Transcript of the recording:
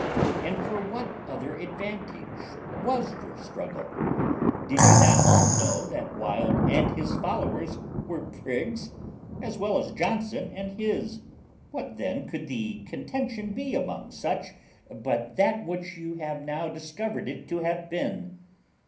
And for what other advantage was your struggle? Did you not all know that Wild and his followers were prigs, as well as Johnson and his? What then could the contention be among such but that which you have now discovered it to have been?